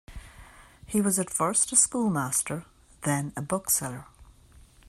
He was at first a schoolmaster, then a bookseller.